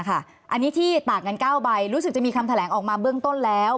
อันนี้ที่ต่างกัน๙ใบรู้สึกจะมีคำแถลงออกมาเบื้องต้นแล้ว